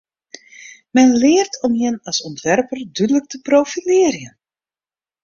Men leart om jin as ûntwerper dúdlik te profilearjen.